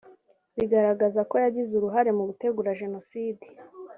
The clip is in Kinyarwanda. zigaragaza ko yagize uruhare mu gutegura Jenoside